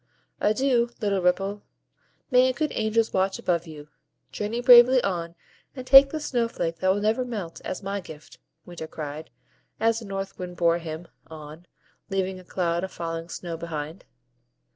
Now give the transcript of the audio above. "Adieu, little Ripple! May good angels watch above you! Journey bravely on, and take this snow flake that will never melt, as MY gift," Winter cried, as the North Wind bore him on, leaving a cloud of falling snow behind.